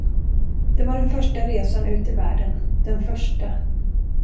Det var den första resan ut i världen, den första.